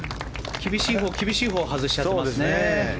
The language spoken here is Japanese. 厳しいほう厳しいほうに外しちゃってますね。